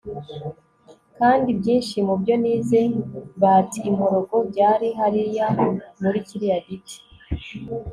kandi ibyinshi mubyo nize 'bout impongo byari hariya muri kiriya giti